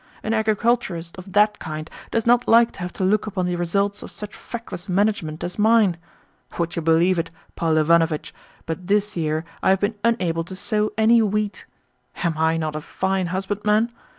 "An agriculturist of that kind does not like to have to look upon the results of such feckless management as mine. Would you believe it, Paul Ivanovitch, but this year I have been unable to sow any wheat! Am I not a fine husbandman?